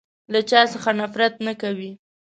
له چا څخه نفرت نه کوی.